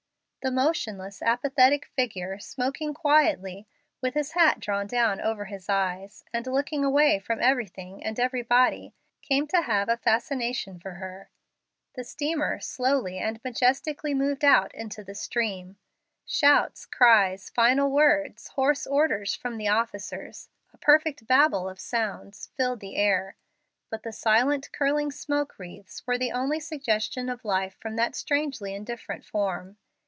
The motionless, apathetic figure, smoking quietly, with his hat drawn down over his eyes, and looking away from everything and everybody, came to have a fascination for her. The steamer slowly and majestically moved out into the stream. Shouts, cries, final words, hoarse orders from the officers a perfect babel of sounds filled the air, but the silently curling smoke wreaths were the only suggestion of life from that strangely indifferent form.